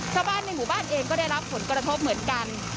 ชาวบ้านในหมู่บ้านเองก็ได้รับผลกระทบเหมือนกัน